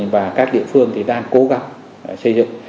và các địa phương thì đang cố gắng xây dựng